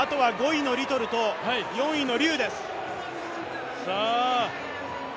５位のリトルと４位の劉。